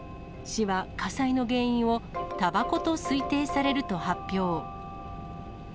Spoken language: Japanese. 市は火災の原因をたばこと推定されると発表。